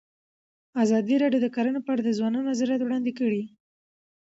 ازادي راډیو د کرهنه په اړه د ځوانانو نظریات وړاندې کړي.